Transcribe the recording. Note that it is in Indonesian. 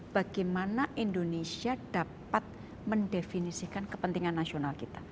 bagaimana indonesia dapat mendefinisikan kepentingan nasional kita